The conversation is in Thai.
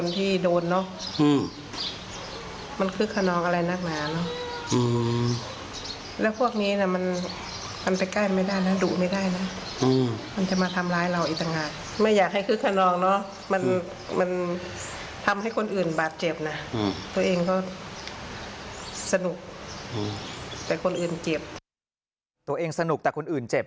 ตัวเองสนุกแต่คนอื่นเจ็บ